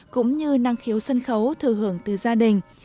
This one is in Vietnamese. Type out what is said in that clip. cũng như năng khiếu sân khấu thừa hưởng từ gia đình